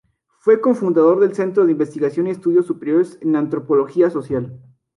Fue cofundador del Centro de Investigación y Estudios Superiores en Antropología Social.